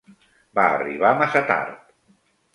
Va arribar massa tard.